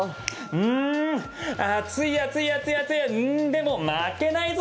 うーん、暑い暑い暑い暑いうーん、でも負けないぞ！